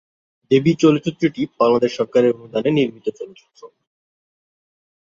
দেবী চলচ্চিত্রটি বাংলাদেশ সরকারের অনুদানে নির্মিত চলচ্চিত্র।